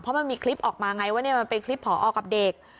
เพราะมันมีคลิปออกมาไงว่ามันเป็นคลิปผอกับเด็ก